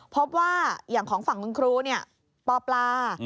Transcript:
เพราะว่าอย่างของฝั่งกับครูปปลา